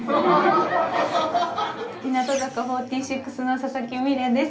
日向坂４６の佐々木美玲です。